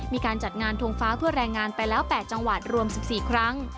มีการจัดงานทงฟ้าเพื่อแรงงานไปแล้ว๘จังหวัดรวม๑๔ครั้ง